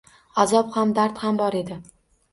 Azob ham, dard ham bor edi.